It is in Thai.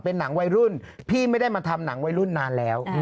หนังวัยรุ่นพี่ไม่ได้มาทำหนังวัยรุ่นนานแล้ว